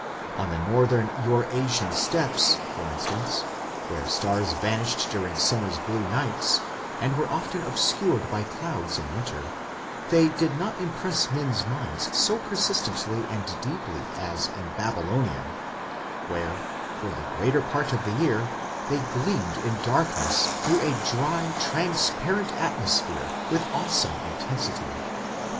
On the northern Eur Asian steppes, for instance, where stars vanished during summer's blue nights, and were often obscured by clouds in winter, they did not impress men's minds so persistently and deeply as in Babylonia, where for the greater part of the year they gleamed in darkness through a dry transparent atmosphere with awesome intensity.